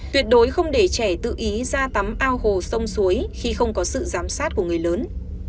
tuyệt đối không để trẻ tự ý ra tắm ao hồ sông suối khi không có sự giám sát của người lớn